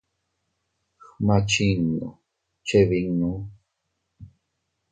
Gma chinnu chebinnu.